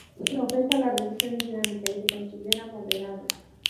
Profesa la religión islámica, y se considera moderado.